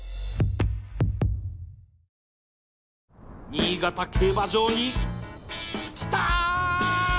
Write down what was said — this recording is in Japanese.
新潟競馬場に来たー！